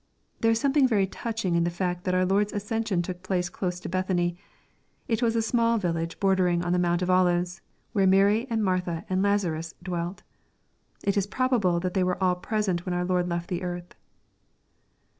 ] There is something very touching in the fact that our Lord's ascension took place close to Bethany. It was a small village bordering on the mount of Olives, where Mary, and Martha, and Lazarus dwelt. It is probable that they all were present when our Lord left the earth.